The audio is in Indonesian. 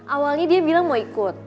awalnya dia bilang mau ikut